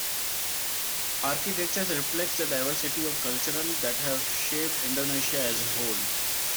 Architecture reflects the diversity of cultural that have shaped Indonesia as a whole.